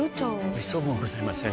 めっそうもございません。